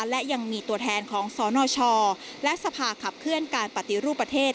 และยังมีตัวแทนของสนชและสภาขับเคลื่อนการปฏิรูปประเทศ